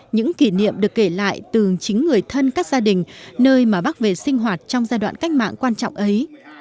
những kỷ niệm được kể lại từ chính người thân các gia đình nơi mà bác về sinh hoạt trong giai đoạn cách mạng quan trọng ấy